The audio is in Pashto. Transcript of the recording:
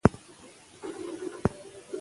تېر کال موږ د پښتو ادب ډېرې غونډې جوړې کړې وې.